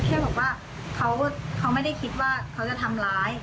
แค่บอกว่าเขาไม่ได้คิดว่าเขาจะทำร้าย